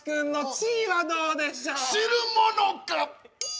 知るものか！